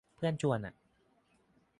เพื่อนชวน อะ